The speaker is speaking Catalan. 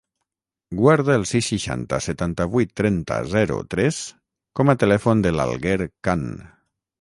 Guarda el sis, seixanta, setanta-vuit, trenta, zero, tres com a telèfon de l'Alguer Khan.